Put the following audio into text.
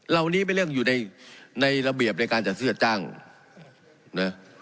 เรานี้ไม่เรื่องอยู่ในในระเบียบในการจะซื้อจ้างเนี่ย